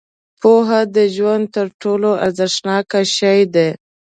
• پوهه د ژوند تر ټولو ارزښتناک شی دی.